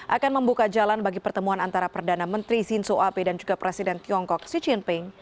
akan membuka jalan bagi pertemuan antara perdana menteri zinso ape dan juga presiden tiongkok xi jinping